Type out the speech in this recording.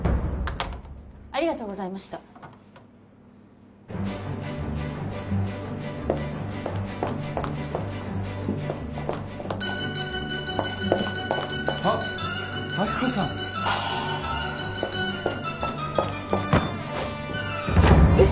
ありがとうございましたあっ亜希子さんえっ？